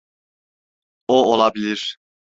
O olabilir.